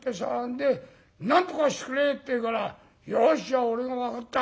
で『なんとかしてくれ』って言うから『よしじゃあ俺が分かった。